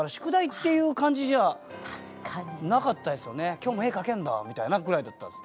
「今日も絵描けんだ」みたいなぐらいだったんです。